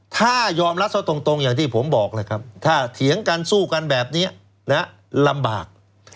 ถ้ายอมรับซะตรงอย่างที่ผมบอกเลยครับถ้าเถียงกันสู้กันแบบนี้ลำบาก